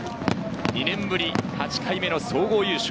２年ぶり８回目の総合優勝。